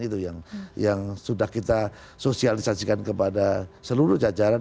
itu yang sudah kita sosialisasikan kepada seluruh jajaran